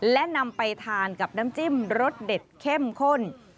และนำไปทานกับน้ำจิ้มรสเด็ดเข้มข้น